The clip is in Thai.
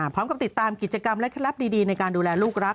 พร้อมกับติดตามกิจกรรมและเคล็ดลับดีในการดูแลลูกรัก